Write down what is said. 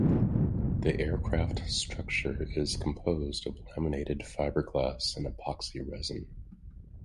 The aircraft structure is composed of laminated fibreglass and epoxy resign.